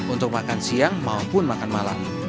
untuk makan siang maupun makan malam